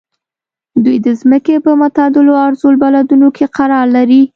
دوی د ځمکې په معتدلو عرض البلدونو کې قرار لري.